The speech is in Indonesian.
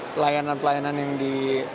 pelayanan pelayanan yang di